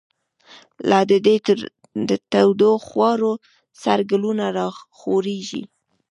لاددی دتودوخاورو، سره ګلونه راغوړیږی